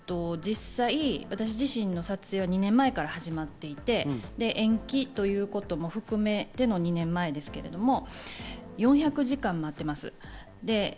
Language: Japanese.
実際、私自身の撮影は２年前から始まっていて、延期ということも含めての２年前ですけど、４００時間待ってます。